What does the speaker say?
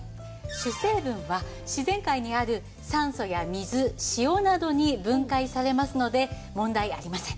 主成分は自然界にある酸素や水塩などに分解されますので問題ありません。